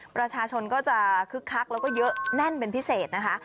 ประชาชนก็จะคึกคักแล้วก็เยอะแน่นเป็นพิเศษนะคะ